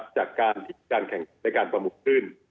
จากการมีการแข่งขัดในการประมูลขึ้น